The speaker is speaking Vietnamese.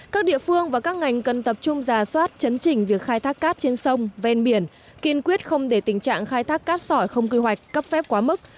các địa phương và các ngành cần tập trung giả soát chấn chỉnh việc khai thác cát trên sông ven biển kiên quyết không để tình trạng khai thác cát sỏi không quy hoạch cấp phép quá mức